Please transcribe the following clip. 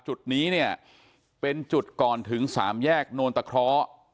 จุดนี้เนี่ยเป็นจุดก่อนถึงสามแยกโนนตะเคราะห์